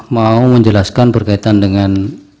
mau menjelaskan berkaitan dengan